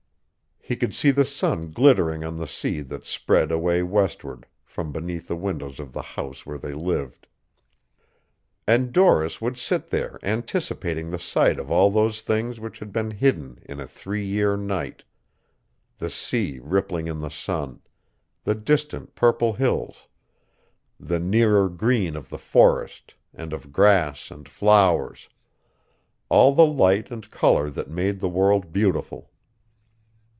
He could see the sun glittering on the sea that spread away westward, from beneath the windows of the house where they lived. And Doris would sit there anticipating the sight of all those things which had been hidden in a three year night, the sea rippling in the sun, the distant purple hills, the nearer green of the forest and of grass and flowers, all the light and color that made the world beautiful.